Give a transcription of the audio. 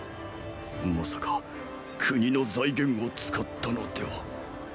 まさか国の財源を使ったのでは⁉！